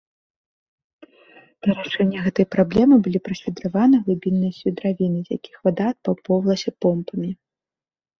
Для рашэння гэтай праблемы былі прасвідраваны глыбінныя свідравіны, з якіх вада адпампоўвалася помпамі.